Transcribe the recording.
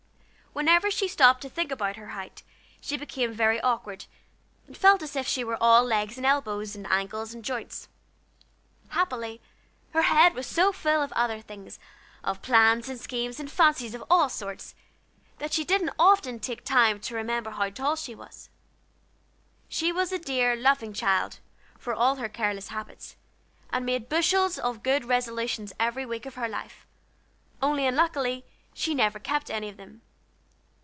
Whenever she stopped to think about her height she became very awkward, and felt as if she were all legs and elbows, and angles and joints. Happily, her head was so full of other things, of plans and schemes, and fancies of all sorts, that she didn't often take time to remember how tall she was. She was a dear, loving child, for all her careless habits, and made bushels of good resolutions every week of her life, only unluckily she never kept any of them.